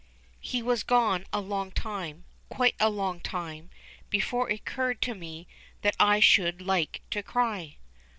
He was gone a long time, quite a long time, before it occurred to me that I should like to cry.